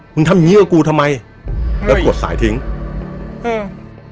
ทำอย่างงี้กับกูทำไมแล้วกดสายทิ้งอืม